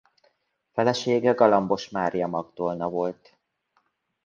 Felesége Galambos Mária Magdolna volt.